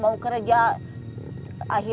dia juga tidak berhubung dengan suami